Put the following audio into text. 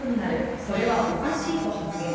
それはおかしいと発言。